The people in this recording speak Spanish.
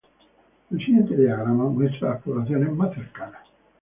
El siguiente diagrama muestra las poblaciones más cercanas.